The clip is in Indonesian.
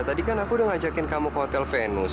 tadi kan aku udah ngajakin kamu ke hotel venus